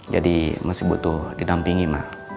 jadi masih butuh dinampingi ma